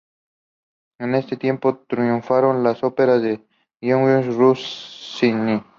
En este tiempo triunfaron las óperas de Gioacchino Rossini.